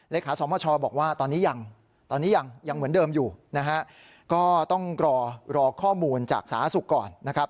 เลขาสมชบอกว่าตอนนี้ยังเหมือนเดิมอยู่นะฮะก็ต้องรอข้อมูลจากศาสุกก่อนนะครับ